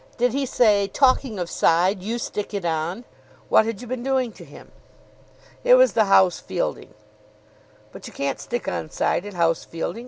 Did he say, 'Talking of side, you stick it on.' What had you been doing to him?" "It was the house fielding." "But you can't stick on side at house fielding.